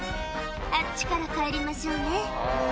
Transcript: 「あっちから帰りましょうね」